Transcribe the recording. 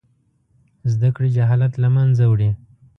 زده کړې جهالت له منځه وړي.